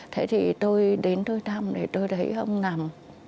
thế thì tôi đến thăm để tôi thấy ông nằm